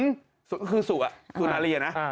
ก็คือสู่อ่ะสุนาเรียนะ